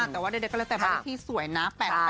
แต่ว่าเดินก็เลยแต่บ้านเลขที่สวยนะ